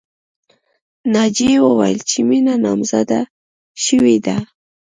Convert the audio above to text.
ناجیې وویل چې مینه نامزاده شوې ده